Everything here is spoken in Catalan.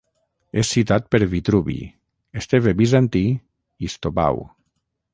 És citat per Vitruvi, Esteve Bizantí i Stobau.